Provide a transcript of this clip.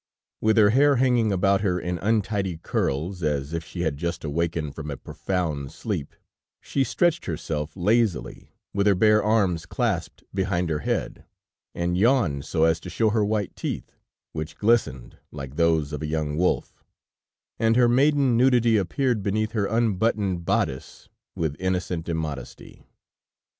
With her hair hanging about her in untidy curls, as if she had just awakened from a profound sleep, she stretched herself lazily, with her bare arms clasped behind her head, and yawned so as to show her white teeth, which glistened like those of a young wolf, and her maiden nudity appeared beneath her unbuttoned bodice with innocent immodesty.